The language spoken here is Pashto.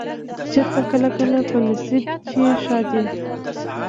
چرته کله کله په نصيب چې ښادي